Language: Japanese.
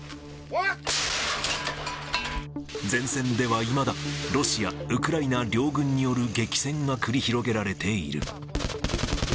前線ではいまだロシア、ウクライナ両軍による激戦が繰り広げられている。